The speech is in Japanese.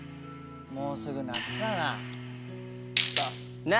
もうすぐ夏だな。